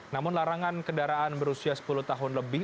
namun larangan kendaraan berusia sepuluh tahun lebih